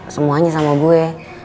semuanya sama gue